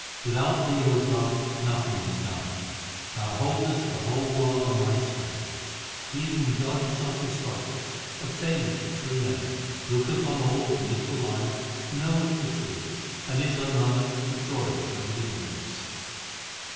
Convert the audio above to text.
Without Thee, O God, nothing is done ; Thou holdest the whole world on Thy string. He whom God Himself instruct eth, Obtaineth the true Name, Looketh on all with an equal eye, knoweth the truth, And is, O Nanak, victorious over the universe.